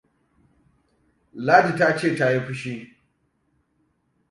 Ladi ta ce ta yi fushi.